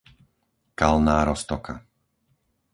Kalná Roztoka